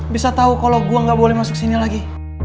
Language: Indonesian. bisa tau kalo gue gak boleh masuk sini lagi